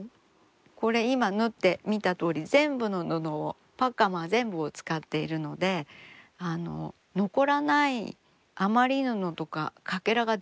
これ今縫って見たとおり全部の布をパッカマー全部を使っているので残らない余り布とかかけらが出ないですよね。